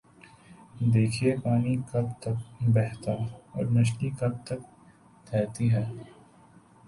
دیکھیے پانی کب تک بہتا اور مچھلی کب تک تیرتی ہے؟